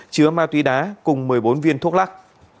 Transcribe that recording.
chứa ma túy đá cùng một mươi bốn viên thuốc lắc